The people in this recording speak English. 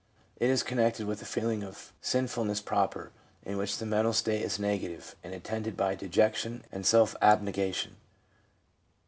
It is connected with the feeling of sinfulness proper, in which the mental state is negative, and attended by dejection and self abnegation.